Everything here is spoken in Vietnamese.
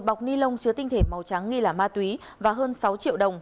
một bọc ni lông chứa tinh thể màu trắng nghi là ma túy và hơn sáu triệu đồng